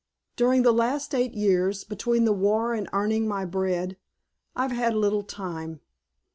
During the last eight years, between the war and earning my bread, I've had little time.